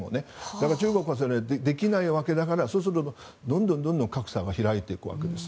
だから中国はそれをできないのでそうするとどんどん格差が広がっていくわけです。